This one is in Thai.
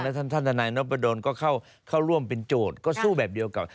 ท่านทนายนพดลก็เข้าร่วมเป็นโจทย์ก็สู้แบบเดียวกับ